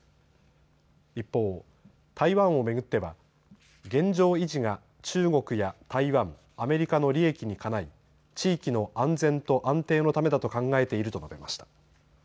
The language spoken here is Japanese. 一方、台湾を巡っては現状維持が中国や台湾、アメリカの利益にかない地域の安全と安定のためだと考えていると述べました。